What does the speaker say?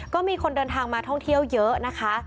ก็มีคนเดินทางมาท่องเที่ยวเยอะนะคะ